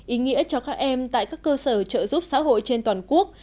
ý nghĩa cho các em tại các cơ sở trợ giúp xã hội trên toàn quốc